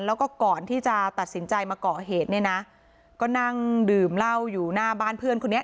แล้วก็ก่อนที่จะตัดสินใจมาก่อเหตุเนี่ยนะก็นั่งดื่มเหล้าอยู่หน้าบ้านเพื่อนคนนี้